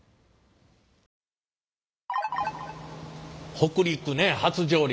北陸ね初上陸。